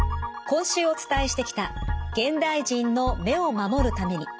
今週お伝えしてきた「現代人の目を守るために」。